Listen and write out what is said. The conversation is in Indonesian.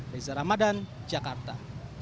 reza ramadan jakarta